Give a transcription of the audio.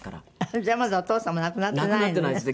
じゃあまだお父様亡くなっていないのね。